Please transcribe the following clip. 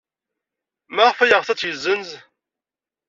Maɣef ay yeɣs ad tt-yessenz?